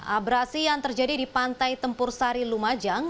abrasi yang terjadi di pantai tempur sari lumajang